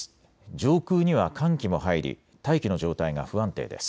上空には寒気も入り大気の状態が不安定です。